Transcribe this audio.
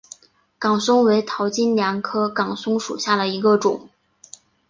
岗松为桃金娘科岗松属下的一个种。